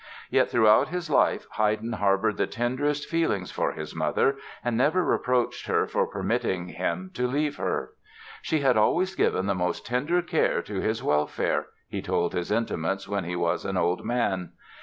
Yet throughout his life Haydn harbored the tenderest feelings for his mother and never reproached her for permitting him to leave her. "She had always given the most tender care to his welfare", he told his intimates when he was an old man.